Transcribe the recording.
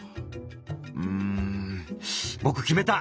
「うんぼく決めた！」。